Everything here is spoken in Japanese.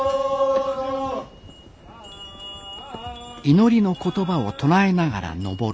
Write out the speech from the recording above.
祈りの言葉を唱えながら登る。